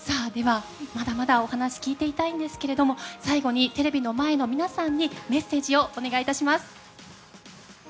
まだまだお話聞いていたいんですが最後に、テレビの前の皆さんにメッセージをお願いします。